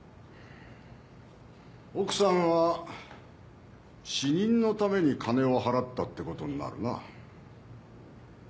奥さんは死人のために金を払ったってことになるな。